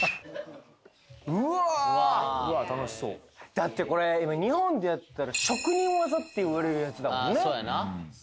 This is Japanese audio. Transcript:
うわーだってこれ今日本でやってたら職人技っていわれるやつだもんねよう